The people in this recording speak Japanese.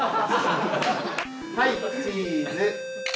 はいチーズ！